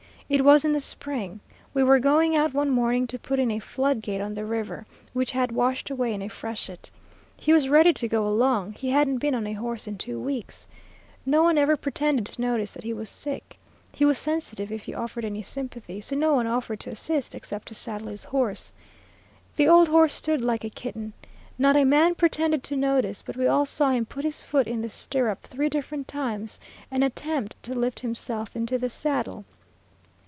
It was in the spring. We were going out one morning to put in a flood gate on the river, which had washed away in a freshet. He was ready to go along. He hadn't been on a horse in two weeks. No one ever pretended to notice that he was sick. He was sensitive if you offered any sympathy, so no one offered to assist, except to saddle his horse. The old horse stood like a kitten. Not a man pretended to notice, but we all saw him put his foot in the stirrup three different times and attempt to lift himself into the saddle.